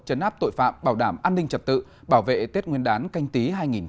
chấn áp tội phạm bảo đảm an ninh trật tự bảo vệ tết nguyên đán canh tí hai nghìn hai mươi